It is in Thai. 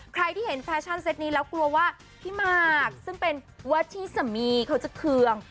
ใครที่เห็นแฟชั่นเต็ตนี้แล้วกลัวว่าพี่หมากซึ่งเป็นว่าที่สามีเขาจะเคือง